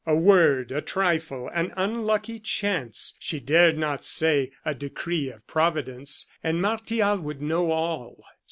A word, a trifle, an unlucky chance she dared not say "a decree of Providence," and Martial would know all.